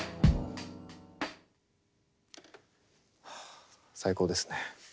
はあ最高ですね。